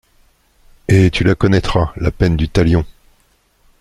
Et tu la connaîtras, la peine du talion !